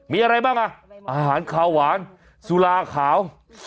มีอะไรบ้างอ่ะอาหารขาวหวานสุราขาว